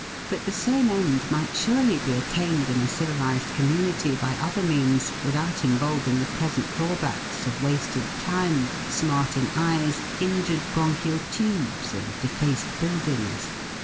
297 but the same end might surely be attained in a civilised community by other means without involving the present drawbacks of wasted time, smarting eyes, injured bronchial tubes, and defaced buildings.